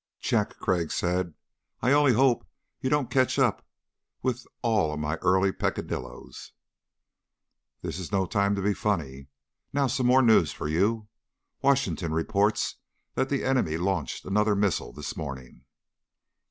"Check," Crag said. "I only hope you don't catch up with all my early peccadillos." "This is no time to be funny. Now, some more news for you. Washington reports that the enemy launched another missile this morning."